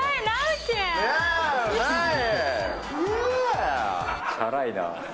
チャラいな。